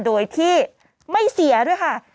โดยที่ไม่เสียด้วยค่ะ